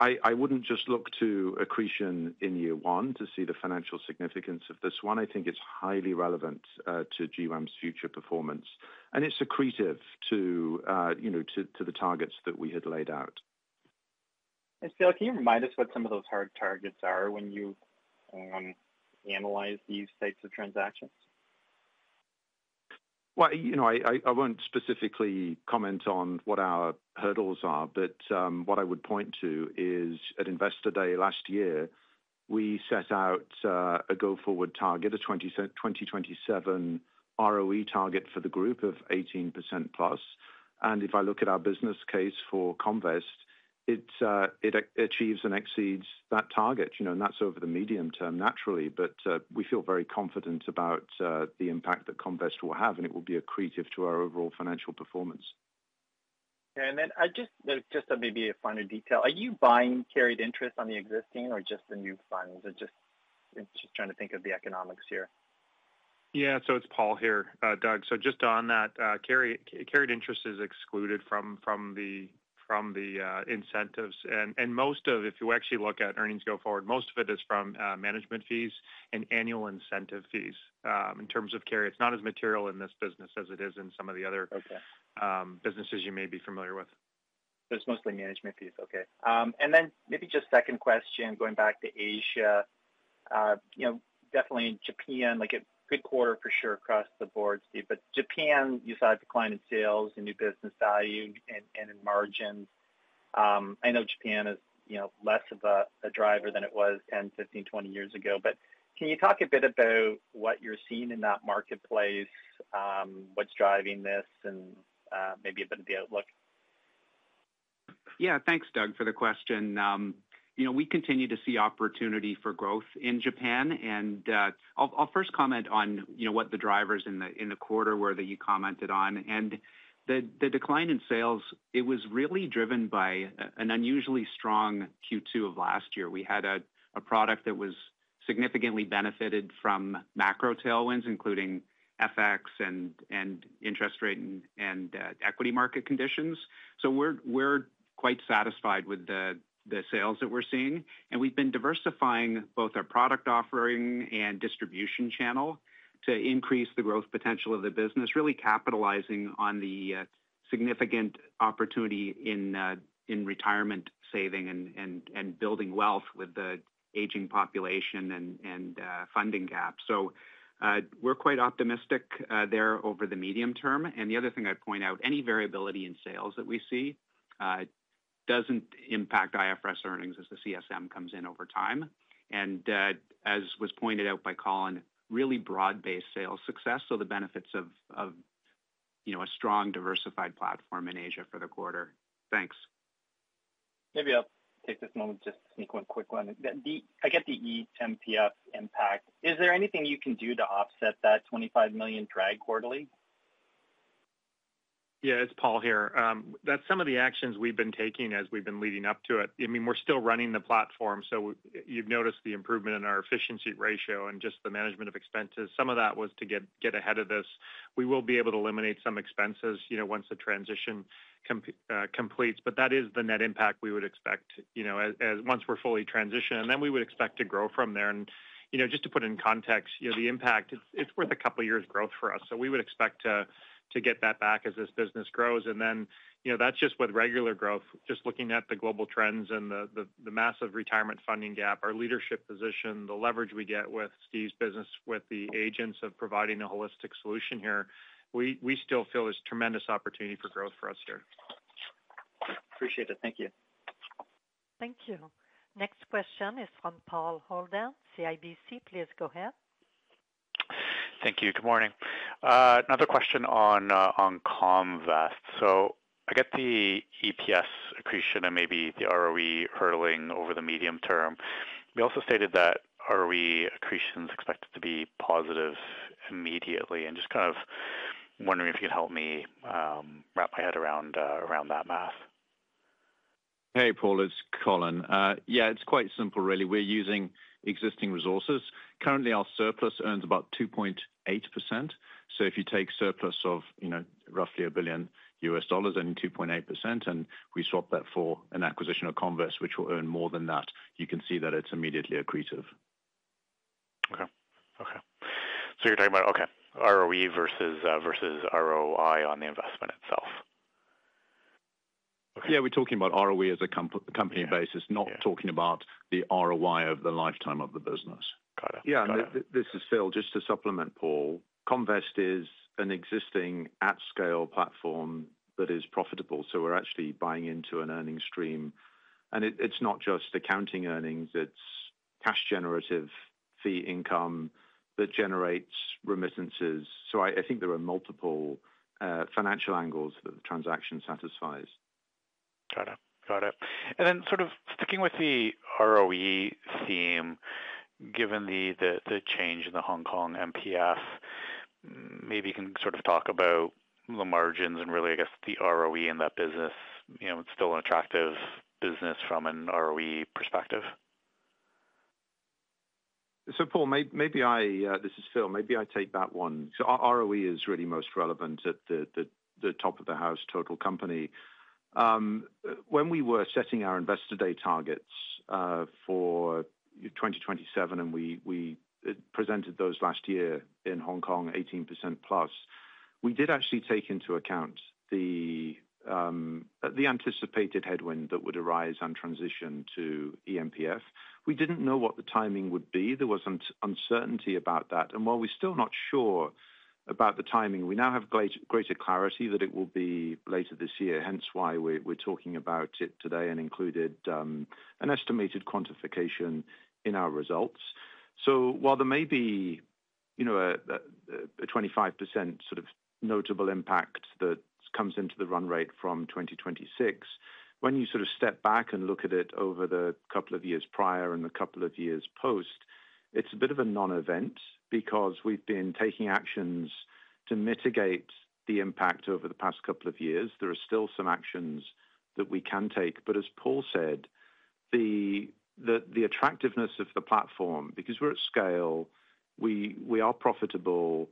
I wouldn't just look to accretion in year one to see the financial significance of this one. I think it's highly relevant to G WAM's future performance, and it's accretive to the targets that we had laid out. Phil, can you remind us what some of those hard targets are when you analyze these types of transactions? I won't specifically comment on what our hurdles are, but what I would point to is at Investor Day last year, we set out a go-forward target, a 2027 ROE target for the group of 18%+. If I look at our business case for Comvest, it achieves and exceeds that target, and that's over the medium term, naturally. We feel very confident about the impact that Comvest will have, and it will be accretive to our overall financial performance. Yeah, maybe a final detail. Are you buying carried interest on the existing or just the new funds? I'm just trying to think of the economics here. Yeah, it's Paul here, Doug. Just on that, carried interest is excluded from the incentives. If you actually look at earnings go forward, most of it is from management fees and annual incentive fees in terms of carry. It's not as material in this business as it is in some of the other businesses you may be familiar with. It's mostly management fees. Okay. Maybe just second question, going back to Asia, you know, definitely in Japan, like a good quarter for sure across the board, Steve. Japan, you saw a decline in sales and new business value and in margins. I know Japan is less of a driver than it was 10, 15, 20 years ago. Can you talk a bit about what you're seeing in that marketplace, what's driving this, and maybe a bit of the outlook? Yeah, thanks, Doug, for the question. You know, we continue to see opportunity for growth in Japan. I'll first comment on what the drivers in the quarter were that you commented on. The decline in sales was really driven by an unusually strong Q2 of last year. We had a product that significantly benefited from macro tailwinds, including FX, interest rate, and equity market conditions. We're quite satisfied with the sales that we're seeing. We've been diversifying both our product offering and distribution channel to increase the growth potential of the business, really capitalizing on the significant opportunity in retirement saving and building wealth with the aging population and funding gap. We're quite optimistic there over the medium term. The other thing I'd point out is any variability in sales that we see doesn't impact IFRS earnings as the CSM comes in over time. As was pointed out by Colin, really broad-based sales success. The benefits of a strong diversified platform in Asia for the quarter. Thanks. Maybe I'll take this moment to sneak one quick one. I get the eMPF impact. Is there anything you can do to offset that $25 million drag quarterly? Yeah, it's Paul here. That's some of the actions we've been taking as we've been leading up to it. I mean, we're still running the platform. You've noticed the improvement in our efficiency ratio and just the management of expenses. Some of that was to get ahead of this. We will be able to eliminate some expenses once the transition completes. That is the net impact we would expect once we're fully transitioned. We would expect to grow from there. Just to put in context, the impact, it's worth a couple of years' growth for us. We would expect to get that back as this business grows. That's just with regular growth, just looking at the global trends and the massive retirement funding gap, our leadership position, the leverage we get with Steve's business, with the agents of providing a holistic solution here, we still feel there's tremendous opportunity for growth for us here. Appreciate it. Thank you. Thank you. Next question is from Paul Holden, CIBC. Please go ahead. Thank you. Good morning. Another question on Comvest. I get the EPS accretion and maybe the ROE hurtling over the medium term. You also stated that ROE accretion is expected to be positive immediately. I am just kind of wondering if you could help me wrap my head around that math. Hey, Paul. It's Colin. Yeah, it's quite simple, really. We're using existing resources. Currently, our surplus earns about 2.8%. If you take surplus of, you know, roughly $1 billion earning 2.8%, and we swap that for an acquisition of Comvest, which will earn more than that, you can see that it's immediately accretive. Okay. You're talking about ROE versus ROI on the investment itself. Yeah, we're talking about ROE as a company basis, not talking about the ROI over the lifetime of the business. Yeah. This is Phil. Just to supplement, Paul, Comvest is an existing at-scale platform that is profitable. We're actually buying into an earning stream. It's not just accounting earnings. It's cash-generative fee income that generates remittances. I think there are multiple financial angles that the transaction satisfies. Got it. Got it. Sticking with the ROE theme, given the change in the Hong Kong MPF, maybe you can talk about the margins and really, I guess, the ROE in that business. You know, it's still an attractive business from an ROE perspective. Paul, maybe I, this is Phil, maybe I take that one. ROE is really most relevant at the top of the house total company. When we were setting our Investor Day targets for 2027, and we presented those last year in Hong Kong, 18%+, we did actually take into account the anticipated headwind that would arise and transition to eMPF. We didn't know what the timing would be. There was uncertainty about that. While we're still not sure about the timing, we now have greater clarity that it will be later this year, which is why we're talking about it today and included an estimated quantification in our results. While there may be a 25% sort of notable impact that comes into the run rate from 2026, when you step back and look at it over the couple of years prior and the couple of years post, it's a bit of a non-event because we've been taking actions to mitigate the impact over the past couple of years. There are still some actions that we can take. As Paul said, the attractiveness of the platform, because we're at scale, we are profitable,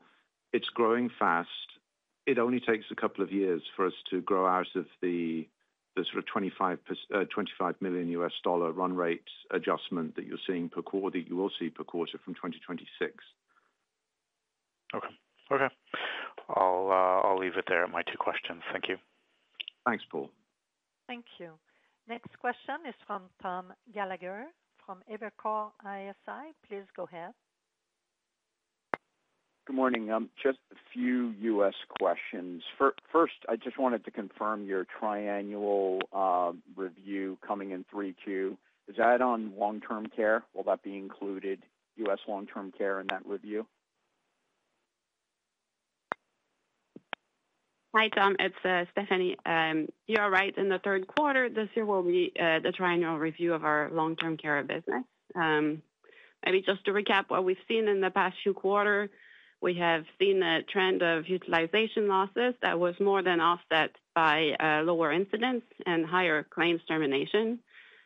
it's growing fast, it only takes a couple of years for us to grow out of the sort of $25 million run rate adjustment that you're seeing per quarter that you will see per quarter from 2026. Okay. I'll leave it there at my two questions. Thank you. Thanks, Paul. Thank you. Next question is from Tom Gallagher from Evercore ISI. Please go ahead. Good morning. Just a few U.S. questions. First, I just wanted to confirm your triannual review coming in Q3 2024. Is that on long-term care? Will that be included, U.S. long-term care in that review? Hi, Tom. It's Stephanie. You are right. In the third quarter this year, it will be the triannual review of our long-term care business. Maybe just to recap what we've seen in the past few quarters, we have seen a trend of utilization losses that was more than offset by lower incidence and higher claims termination.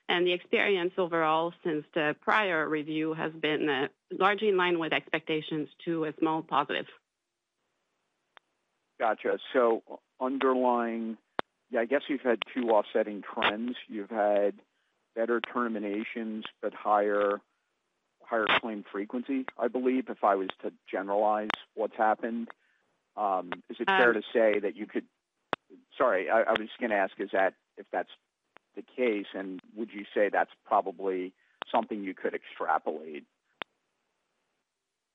The experience overall since the prior review has been largely in line with expectations to a small positive. Gotcha. Underlying, you've had two offsetting trends. You've had better terminations, but higher claim frequency, I believe, if I was to generalize what's happened. Is it fair to say that you could extrapolate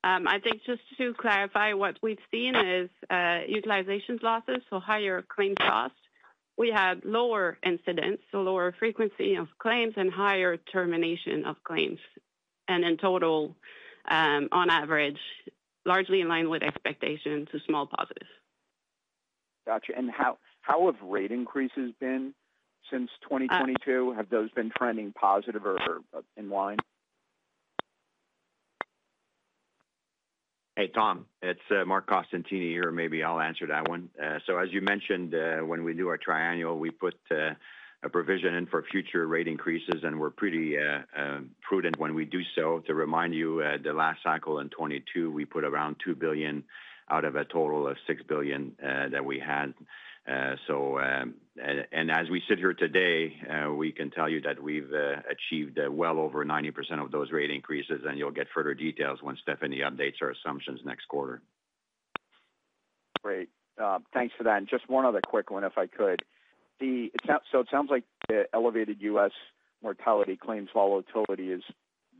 that? I think just to clarify, what we've seen is utilization losses, so higher claim costs. We had lower incidents, so lower frequency of claims, and higher termination of claims. In total, on average, largely in line with expectations to small positives. Gotcha. How have rate increases been since 2022? Have those been trending positive or in line? Hey, Tom. It's Marc Costantini. Maybe I'll answer that one. As you mentioned, when we do our triannual, we put a provision in for future rate increases, and we're pretty prudent when we do so. To remind you, the last cycle in 2022, we put around $2 billion out of a total of $6 billion that we had. As we sit here today, we can tell you that we've achieved well over 90% of those rate increases, and you'll get further details when Stephanie updates her assumptions next quarter. Great. Thanks for that. Just one other quick one, if I could. It sounds like the elevated U.S. mortality claims volatility is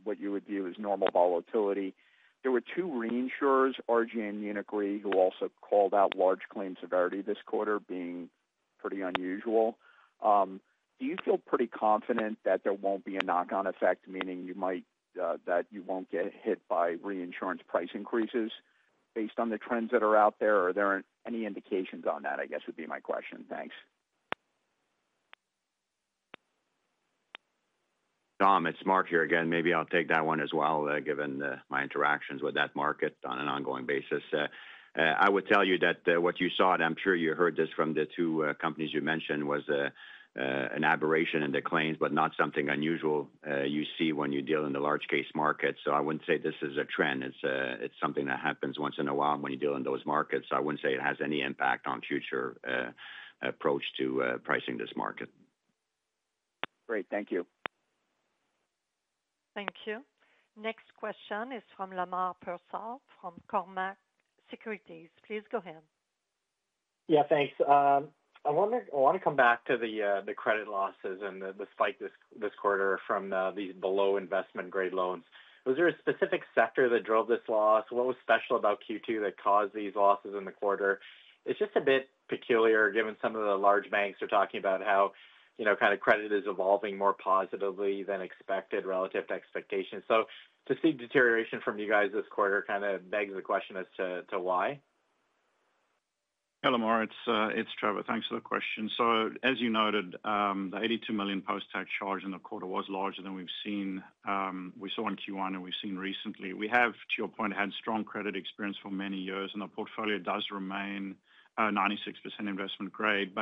what you would view as normal volatility. There were two reinsurers, RGA and Munich Re who also called out large claim severity this quarter being pretty unusual. Do you feel pretty confident that there won't be a knock-on effect, meaning you might, that you won't get hit by reinsurance price increases based on the trends that are out there? Are there any indications on that, I guess, would be my question. Thanks. Tom, it's Marc here again. Maybe I'll take that one as well, given my interactions with that market on an ongoing basis. I would tell you that what you saw, and I'm sure you heard this from the two companies you mentioned, was an aberration in the claims, but not something unusual you see when you deal in the large case market. I wouldn't say this is a trend. It's something that happens once in a while when you deal in those markets. I wouldn't say it has any impact on future approach to pricing this market. Great. Thank you. Thank you. Next question is from Lamar Persaud from Cormark Securities. Please go ahead. Yeah, thanks. I want to come back to the credit losses and the spike this quarter from these below-investment-grade loans. Was there a specific sector that drove this loss? What was special about Q2 that caused these losses in the quarter? It's just a bit peculiar given some of the large banks are talking about how, you know, kind of credit is evolving more positively than expected relative to expectations. To see deterioration from you guys this quarter kind of begs the question as to why. Hello, Mark. It's Trevor. Thanks for the question. As you noted, the $82 million post-tax charge in the quarter was larger than we saw in Q1 and we've seen recently. We have, to your point, had strong credit experience for many years, and our portfolio does remain 96% investment grade.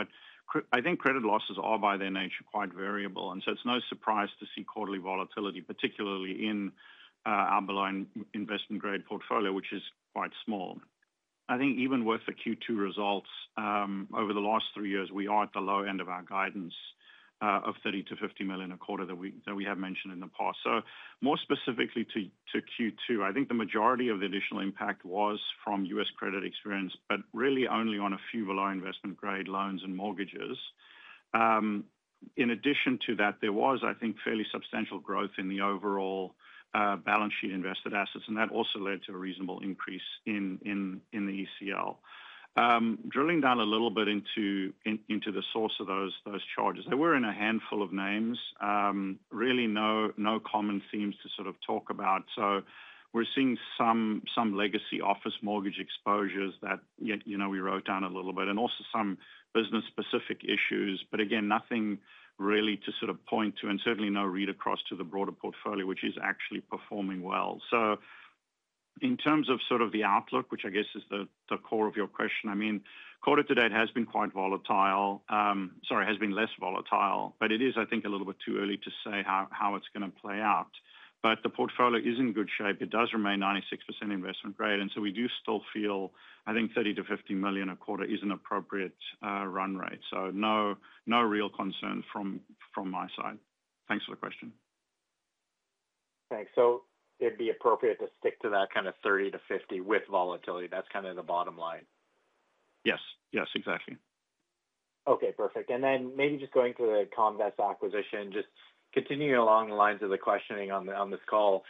I think credit losses are, by their nature, quite variable. It is no surprise to see quarterly volatility, particularly in our below-investment-grade portfolio, which is quite small. I think even with the Q2 results over the last three years, we are at the low end of our guidance of $30 million-$50 million a quarter that we have mentioned in the past. More specifically to Q2, I think the majority of the additional impact was from U.S. credit experience, but really only on a few below-investment-grade loans and mortgages. In addition to that, there was, I think, fairly substantial growth in the overall balance sheet invested assets, and that also led to a reasonable increase in the ECL. Drilling down a little bit into the source of those charges, they were in a handful of names, really no common themes to talk about. We are seeing some legacy office mortgage exposures that we wrote down a little bit, and also some business-specific issues. Nothing really to point to, and certainly no read across to the broader portfolio, which is actually performing well. In terms of the outlook, which I guess is the core of your question, quarter to date has been less volatile, but it is, I think, a little bit too early to say how it's going to play out. The portfolio is in good shape. It does remain 96% investment grade. We do still feel $30 million-$50 million a quarter is an appropriate run rate. No real concern from my side. Thanks for the question. Thanks. It'd be appropriate to stick to that kind of 30 milion-50 million with volatility. That's kind of the bottom line? Yes, yes, exactly. Okay, perfect. Maybe just going to the Comvest Credit Partners acquisition, just continuing along the lines of the questioning on this call,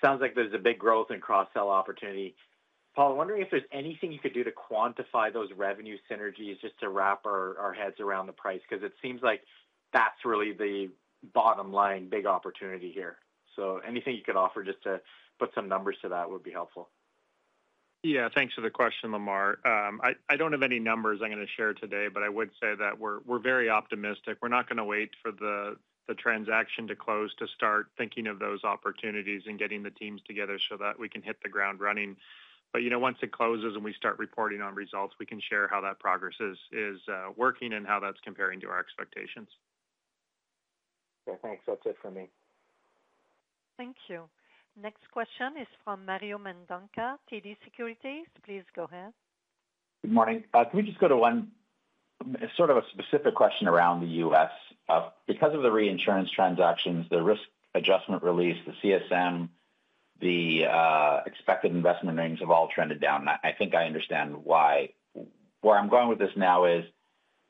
it sounds like there's a big growth in cross-sell opportunity. Paul, I'm wondering if there's anything you could do to quantify those revenue synergies just to wrap our heads around the price, because it seems like that's really the bottom line big opportunity here. Anything you could offer just to put some numbers to that would be helpful. Yeah, thanks for the question, Lamar. I don't have any numbers I'm going to share today, but I would say that we're very optimistic. We're not going to wait for the transaction to close to start thinking of those opportunities and getting the teams together so that we can hit the ground running. Once it closes and we start reporting on results, we can share how that progress is working and how that's comparing to our expectations. Yeah, thanks. That's it for me. Thank you. Next question is from Mario Mendonca, TD Securities. Please go ahead. Good morning. Can we just go to one, sort of a specific question around the U.S.? Because of the reinsurance transactions, the risk adjustment release, the CSM, the expected investment names have all trended down. I think I understand why. Where I'm going with this now is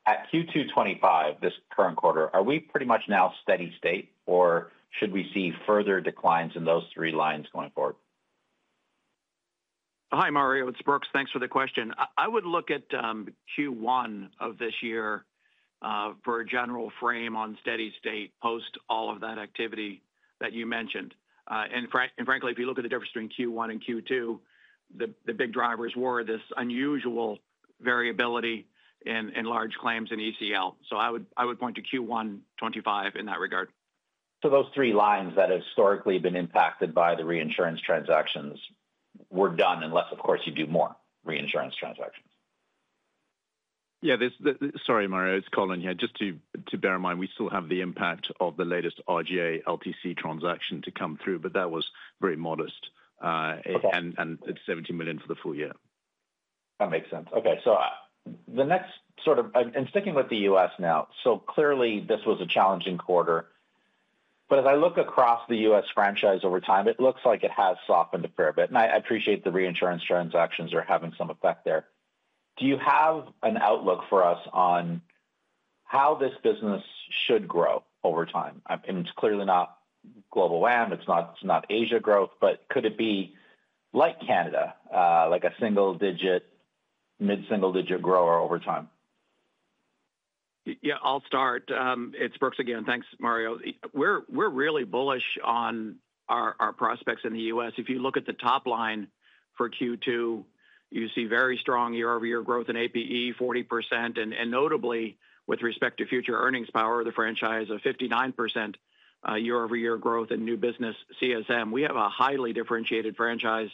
at Q2 2025, this current quarter, are we pretty much now steady state, or should we see further declines in those three lines going forward? Hi, Mario. It's Brooks. Thanks for the question. I would look at Q1 of this year for a general frame on steady state post all of that activity that you mentioned. If you look at the difference between Q1 and Q2, the big drivers were this unusual variability in large claims and ECL. I would point to Q1 2025 in that regard. Those three lines that have historically been impacted by the reinsurance transactions were done, unless, of course, you do more reinsurance transactions. Yeah, sorry, Mario. It's Colin here. Just to bear in mind, we still have the impact of the latest RGA LTC transaction to come through, but that was very modest. It's $70 million for the full year. That makes sense. Okay, the next sort of, and sticking with the U.S. now, clearly this was a challenging quarter. As I look across the U.S. franchise over time, it looks like it has softened a fair bit. I appreciate the reinsurance transactions are having some effect there. Do you have an outlook for us on how this business should grow over time? It's clearly not Global WAM. It's not Asia growth, but could it be like Canada, like a single-digit, mid-single-digit grower over time? Yeah, I'll start. It's Brooks again. Thanks, Mario. We're really bullish on our prospects in the U.S. If you look at the top line for Q2, you see very strong year-over-year growth in APE, 40%, and notably with respect to future earnings power of the franchise, a 59% year-over-year growth in new business CSM. We have a highly differentiated franchise.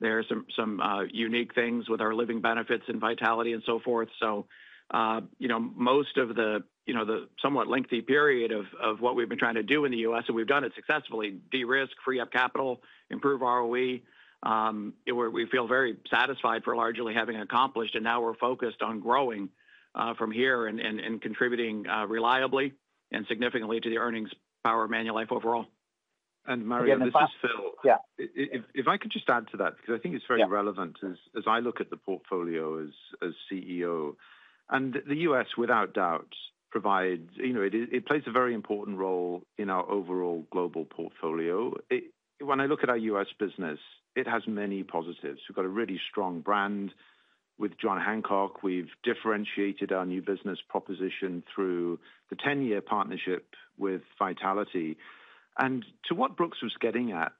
There are some unique things with our living benefits and vitality and so forth. Most of the somewhat lengthy period of what we've been trying to do in the U.S., and we've done it successfully, de-risk, free up capital, improve ROE. We feel very satisfied for largely having accomplished, and now we're focused on growing from here and contributing reliably and significantly to the earnings power of Manulife overall. Mario, this is Phil. Yeah, if I could just add to that, because I think it's very relevant as I look at the portfolio as CEO. The U.S., without doubt, provides, you know, it plays a very important role in our overall global portfolio. When I look at our U.S. business, it has many positives. We've got a really strong brand with John Hancock. We've differentiated our new business proposition through the 10-year partnership with Vitality. To what Brooks was getting at,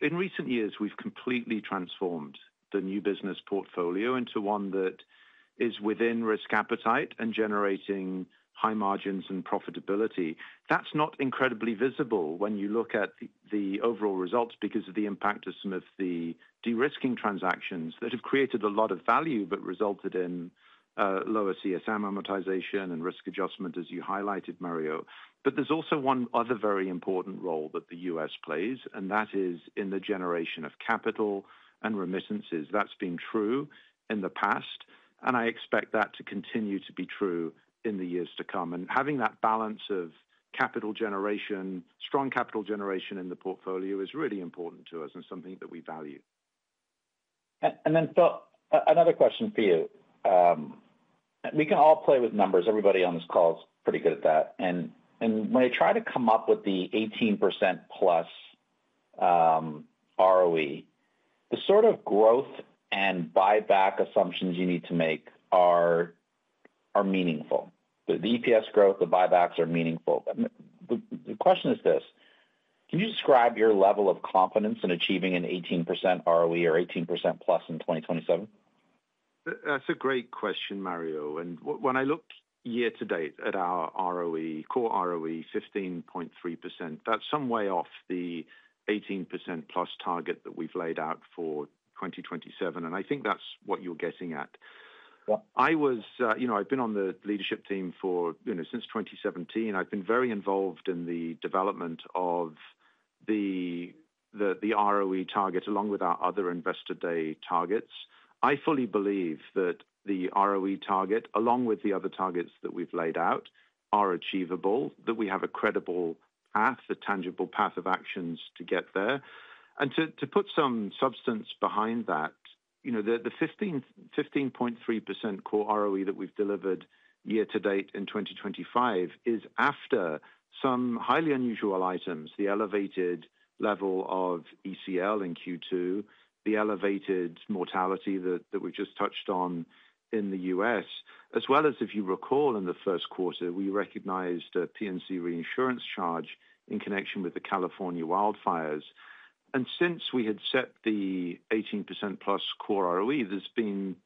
in recent years, we've completely transformed the new business portfolio into one that is within risk appetite and generating high margins and profitability. That's not incredibly visible when you look at the overall results because of the impact of some of the de-risking transactions that have created a lot of value but resulted in lower CSM amortization and risk adjustment, as you highlighted, Mario. There's also one other very important role that the U.S. plays, and that is in the generation of capital and remittances. That's been true in the past, and I expect that to continue to be true in the years to come. Having that balance of capital generation, strong capital generation in the portfolio is really important to us and something that we value. Phil, another question for you. We can all play with numbers. Everybody on this call is pretty good at that. When I try to come up with the 18%+ ROE, the sort of growth and buy-back assumptions you need to make are meaningful. The EPS growth, the buy-backs are meaningful. The question is this: can you describe your level of confidence in achieving an 18% ROE or 18%+ in 2027? That's a great question, Mario. When I look year to date at our ROE, core ROE, 15.3%, that's some way off the 18%+ target that we've laid out for 2027. I think that's what you're getting at. I've been on the leadership team since 2017. I've been very involved in the development of the ROE targets, along with our other Investor Day targets. I fully believe that the ROE target, along with the other targets that we've laid out, are achievable, that we have a credible path, a tangible path of actions to get there. To put some substance behind that, the 15.3% core ROE that we've delivered year to date in 2025 is after some highly unusual items, the elevated level of ECL in Q2, the elevated mortality that we've just touched on in the U.S., as well as, if you recall, in the first quarter, we recognized a PNC reinsurance charge in connection with the California wildfires. Since we had set the 18%+ core ROE, there's been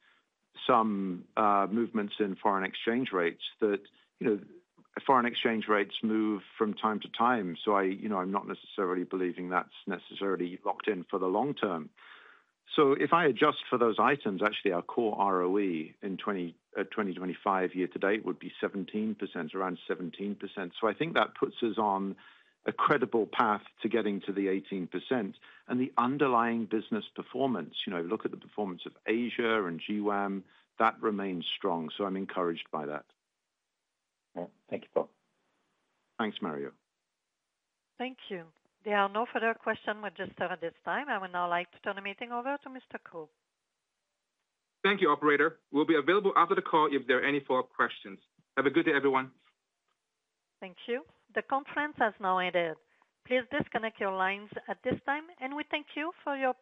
some movements in foreign exchange rates that, you know, foreign exchange rates move from time to time. I am not necessarily believing that's necessarily locked in for the long term. If I adjust for those items, actually, our core ROE in 2025 year to date would be 17%, around 17%. I think that puts us on a credible path to getting to the 18%. The underlying business performance, if you look at the performance of Asia and Global WAM, that remains strong. I'm encouraged by that. Thank you, Phil. Thanks, Mario. Thank you. There are no further questions registered at this time. I would now like to turn the meeting over to Mr. Ko. Thank you, operator. We'll be available after the call if there are any follow-up questions. Have a good day, everyone. Thank you. The conference has now ended. Please disconnect your lines at this time, and we thank you for your participation.